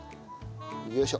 よいしょ。